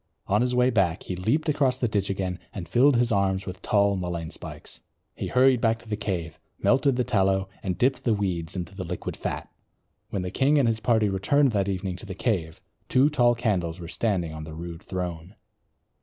On his way back he leaped across the ditch again and filled his arms with tall mullein spikes. He hurried back to the cave, melted the tallow, and dipped the weeds into the liquid fat. When the king and his party returned that evening to the cave, two tall candles were standing on the rude throne.